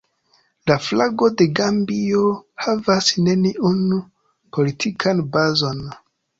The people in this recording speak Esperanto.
La flago de Gambio havas neniun politikan bazon.